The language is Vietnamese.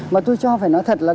mà tôi cho phải nói thật là